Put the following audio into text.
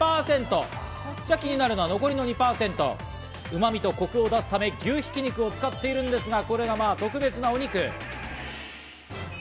気になるのは残りの２％は旨みとコクを出すため、牛ひき肉を使ってるんですが、これがまあ特別なお肉。